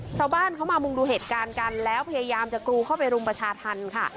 ชาวบ้านเขามามุงดูเหตุการณ์กันแล้วพยายามจะกรูเข้าไปรุมประชาธรรมค่ะ